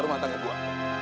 rumah tangga gua